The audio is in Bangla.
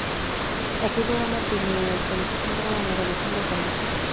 একই বাবা-মার দুই মেয়ে-একজন এত সুন্দর আর অন্যজন অসুন্দর কেন?